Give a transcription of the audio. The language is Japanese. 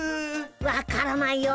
分からないよ。